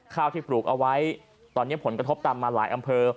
ข้าวที่ปลูกเอาไว้ตอนนี้ผลกระทบตามมาหลายอำเภอ